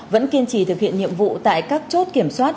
vẫn kiên trì thực hiện nhiệm vụ tại các chốt kiểm soát